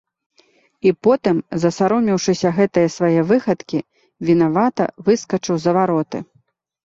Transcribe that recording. І потым, засаромеўшыся гэтае свае выхадкі, вінавата выскачыў за вароты.